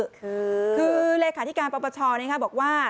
คือคือหลักการปรับประชาชนบอกว่า